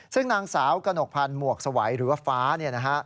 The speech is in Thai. ซึ่งนางสาวกระหนกพันธ์หมวกสวัยหรือว่าฟ้าเนี่ยนะฮะ